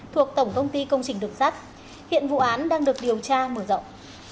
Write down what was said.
thuộc tổng công ty công trình được sát hiện vụ án đang được điều tra mở rộng